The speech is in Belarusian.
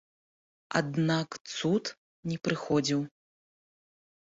Аднак цуд не прыходзіў.